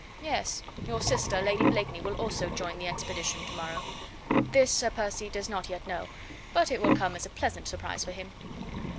"Yes. Your sister, Lady Blakeney, will also join the expedition to morrow. This Sir Percy does not yet know; but it will come as a pleasant surprise for him.